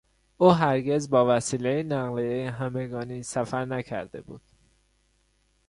او هرگز با وسیلهی نقلیهی همگانی سفر نکرده بود.